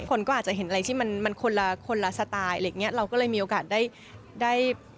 คนก็อาจจะเห็นอะไรที่มันคนละสไตล์เราก็เลยมีโอกาสได้